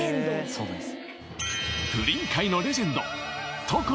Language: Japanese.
そうなんです